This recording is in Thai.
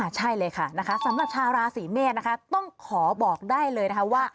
ใช่เลยค่ะนะคะสำหรับชาวราศีเมษนะคะต้องขอบอกได้เลยนะคะว่า